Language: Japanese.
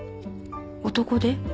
男手？